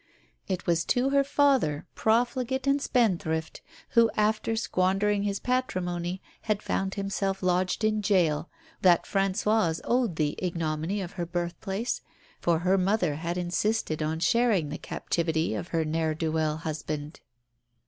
It was to her father, profligate and spendthrift, who, after squandering his patrimony, had found himself lodged in jail, that Françoise owed the ignominy of her birthplace, for her mother had insisted on sharing the captivity of her ne'er do well husband.